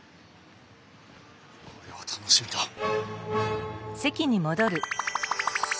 これは楽しみだ！